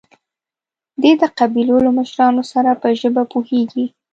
دی د قبيلو له مشرانو سره په ژبه پوهېږي.